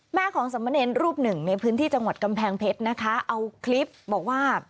แม่ของสมเนรรูปหนึ่งในพื้นที่จังหวัดกำแพงเพชรนะคะเอาคลิปบอกว่า